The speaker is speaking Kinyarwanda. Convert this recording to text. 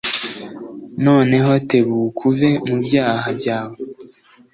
Noneho tebukuve mu byaha byawe.